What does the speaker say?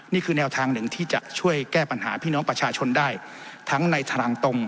นี่คือแนวทางหนึ่งที่จะช่วยแก้ปัญหาพี่น้องประชาชนได้ทั้งในทางตรง